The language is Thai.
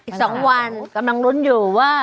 อีก๒วันกำลังลุ้นอยู่ว่า